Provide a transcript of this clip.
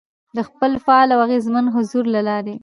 ، د خپل فعال او اغېزمن حضور له لارې،